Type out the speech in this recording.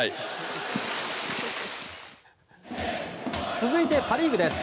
続いて、パ・リーグです。